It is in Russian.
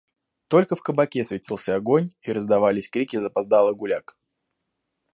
Только в кабаке светился огонь и раздавались крики запоздалых гуляк.